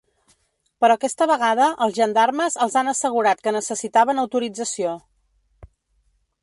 Però aquesta vegada els gendarmes els han assegurat que necessitaven autorització.